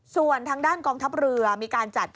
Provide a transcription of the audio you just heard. ส่วนทางด้านกองทัพเรือมีการจัด